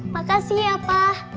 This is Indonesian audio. makasih ya pak